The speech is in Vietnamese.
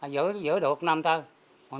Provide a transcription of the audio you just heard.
giữ được một năm thôi